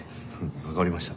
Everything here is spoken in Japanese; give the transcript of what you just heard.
分かりました。